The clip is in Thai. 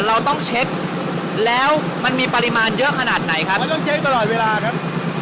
เราต้องเช็คแล้วมันมีปริมาณเยอะขนาดไหนครับมันต้องเช็คตลอดเวลาครับ